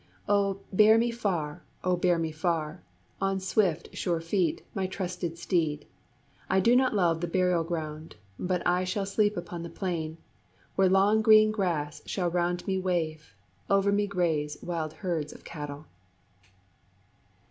O bear me far O bear me far, On swift, sure feet, my trusty steed: I do not love the burial ground, But I shall sleep upon the plain, Where long green grass shall round me wave Over me graze wild herds of cattle.